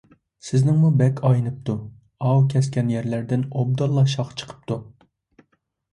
سىزنىڭمۇ بەك ئاينىپتۇ، ئاۋۇ كەسكەن يەرلەردىن ئوبدانلا شاخ چىقىپتۇ.